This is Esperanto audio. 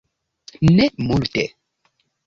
Ne multe.